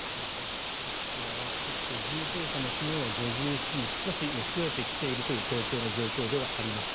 少し、こう上がってきて重症者も昨日は５７人少し増えてきているという東京の状況ではあります。